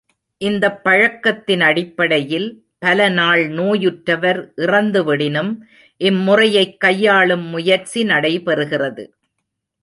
இந்தப் பழக் கத்தின் அடிப்படையில், பல நாள் நோயுற்றவர் இறந்து விடினும் இம்முறையைக் கையாளும் முயற்சி நடைபெறுகிறது.